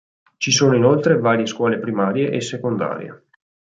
Ci sono inoltre varie scuole primarie e secondarie.